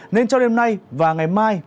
nên trong đêm nay và ngày mai